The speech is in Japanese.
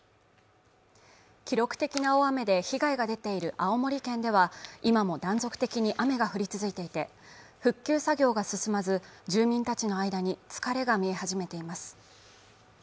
記録的な大雨で被害が出ている青森県では今も断続的に雨が降り続いていて復旧作業が進まず住民たちの間に疲れが見え始めています